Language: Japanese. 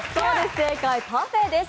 正解はパフェです。